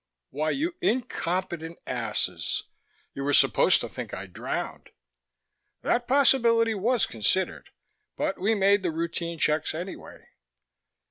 "Why, you incompetent asses. You were supposed to think I drowned." "That possibility was considered. But we made the routine checks anyway."